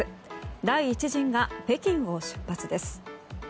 第１陣が北京を出発です。